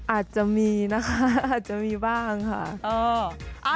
อาจจะมีนะคะอาจจะมีบ้างค่ะ